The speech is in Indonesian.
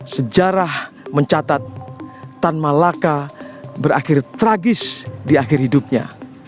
sejarah mencatat tan malaka berakhir tragis di akhir hidupnya